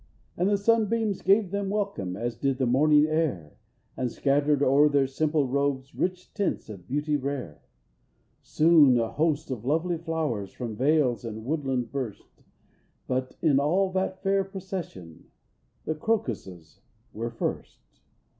And the sunbeams gave them welcome. As did the morning air And scattered o'er their simple robes Rich tints of beauty rare. Soon a host of lovely flowers From vales and woodland burst; But in all that fair procession The crocuses were first.